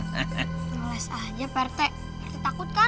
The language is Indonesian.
nolos aja pak rt pak rt takut kan